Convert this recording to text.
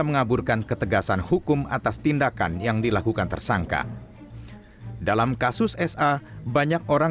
mengaburkan ketegasan hukum atas tindakan yang dilakukan tersangka dalam kasus sa banyak orang